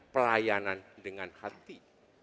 pelayanan dengan hati